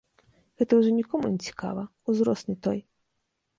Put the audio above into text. Гэта ўжо нікому не цікава, узрост не той.